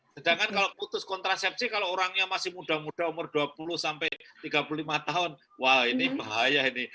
sedangkan kalau putus kontrasepsi kalau orangnya masih muda muda umur dua puluh sampai tiga puluh lima tahun wah ini bahaya ini